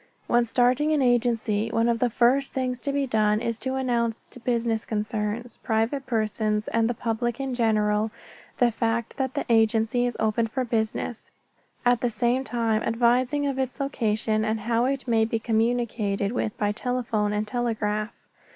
When starting an agency one of the first things to be done is to announce to business concerns, private persons, and the public in general the fact that the agency is open for business, at the same time advising of its location and how it may be communicated with by telephone and telegraph.